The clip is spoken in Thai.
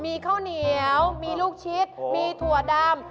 มีข้าวเหนียวมีลูกชิดมีถั่วดำ